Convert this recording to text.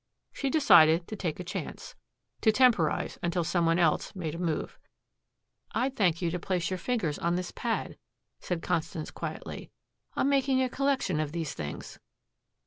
She decided to take a chance, to temporize until some one else made a move. "I'd thank you to place your fingers on this pad," said Constance quietly. "I'm making a collection of these things."